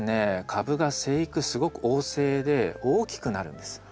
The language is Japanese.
株が生育すごく旺盛で大きくなるんです。